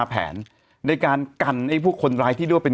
มันติดคุกออกไปออกมาได้สองเดือน